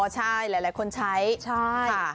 ใช่หลายคนใช้ใช่ค่ะ